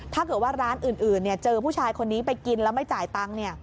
ถ้าเกิดว่าร้านอื่นเจอผู้ชายคนนี้ไปกินแล้วไม่จ่ายตังค์